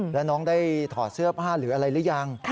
แล้วน้องได้ถอดเสื้อผ้าหรืออะไรหรือยัง